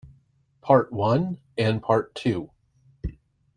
Part One and Part Two.